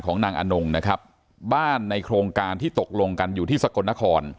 นางอนงนะครับบ้านในโครงการที่ตกลงกันอยู่ที่สกลนคร